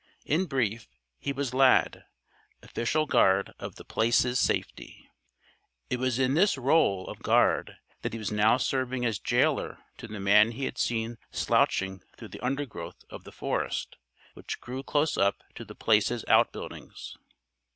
In brief, he was Lad; official guard of The Place's safety. It was in this rôle of guard that he was now serving as jailer to the man he had seen slouching through the undergrowth of the forest which grew close up to The Place's outbuildings.